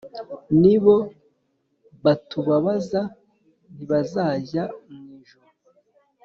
ni bo batubabaza ntibazajya mw ijuru!